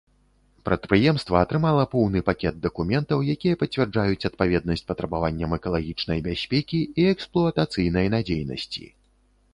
Прадпрыемства атрымала поўны пакет дакументаў, якія пацвярджаюць адпаведнасць патрабаванням экалагічнай бяспекі і эксплуатацыйнай надзейнасці.